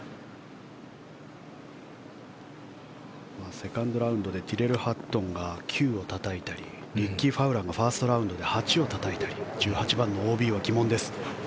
セカンドラウンドでティレル・ハットンが９をたたいたりリッキー・ファウラーがファーストラウンドで８をたたいたり１８番のＯＢは鬼門です。